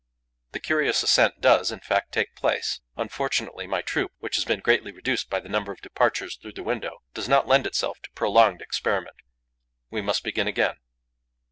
The curious ascent does, in fact, take place. Unfortunately, my troop, which has been greatly reduced by the number of departures through the window, does not lend itself to prolonged experiment. We must begin again.